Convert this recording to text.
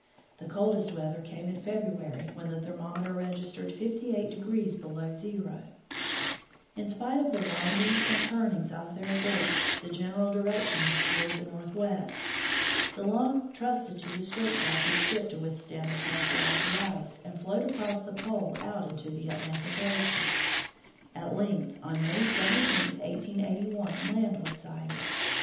The coldest weather came in February, when the thermometer regis tered 5 8° below zero. In spite of the windings and turn ings of their course, the general direction was toward the northwest. De Long trusted to the strength of his ship to withstand the pressure of the ice, and float across the pole out into the Atlantic ocean. At length, on May 17, 1881, land was sighted.